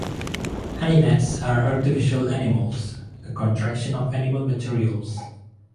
Animats are artificial animals, a contraction of animal-materials.